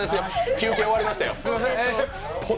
休憩終わりましたよ。